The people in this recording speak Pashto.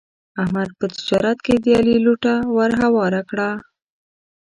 احمد په تجارت کې د علي لوټه ور هواره کړله.